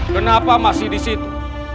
kenapa masih disitu